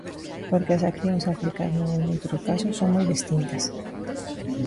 Porque as accións a aplicar nun e noutro caso son moi distintas.